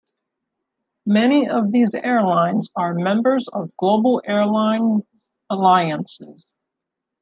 Many of these airlines are members of global airline alliances.